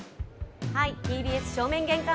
ＴＢＳ正面玄関